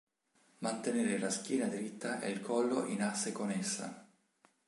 Mantenere la schiena dritta e il collo in asse con essa.